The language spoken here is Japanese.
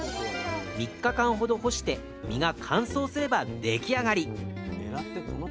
３日間ほど干して身が乾燥すれば出来上がり！